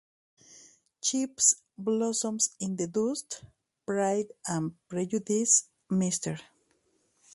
Chips", "Blossoms in the Dust", "Pride and Prejudice", "Mrs.